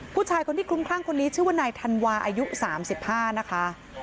ผู้ชายคนที่คลุ้มคลั่งคนนี้ชื่อว่านายธันวาอายุ๓๕นะคะ